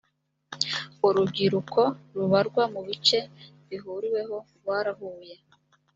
urubyiruko rubarwa mu bice bihuriweho rwarahuye.